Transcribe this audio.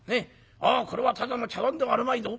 「ああこれはただの茶碗ではあるまいぞ。